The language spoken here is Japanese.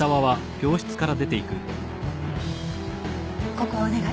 ここお願い。